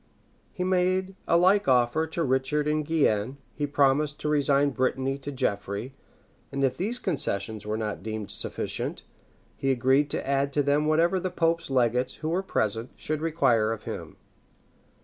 He made a like offer to Richard in Guienne; he promised to resign Brittany to Geoffrey; and if these concessions were not deemed sufficient, he agreed to add to them whatever the pope's legates, who were present, should require of him.